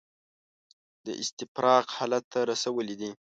د استفراق حالت ته رسولي دي.